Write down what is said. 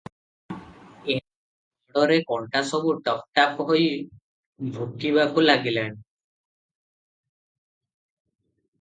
ଏଣେ ଗୋଡ଼ରେ କଣ୍ଟା ସବୁ ଟପ୍ ଟାପ୍ ହୋଇ ଭୁକିବାକୁ ଲାଗିଲା ।